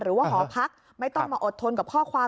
หอพักไม่ต้องมาอดทนกับข้อความ